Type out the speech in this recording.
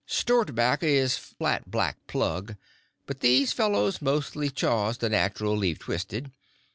Store tobacco is flat black plug, but these fellows mostly chaws the natural leaf twisted.